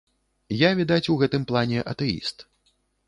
Я, відаць, у гэтым плане атэіст.